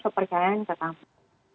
untuk percayaan ke kamu